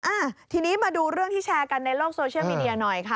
อ่าทีนี้มาดูเรื่องที่แชร์กันในโลกโซเชียลมีเดียหน่อยค่ะ